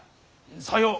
さよう。